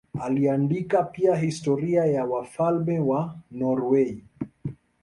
Aliandika pia historia ya wafalme wa Norwei.